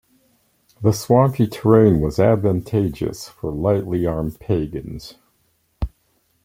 The swampy terrain was advantageous for lightly armed pagans.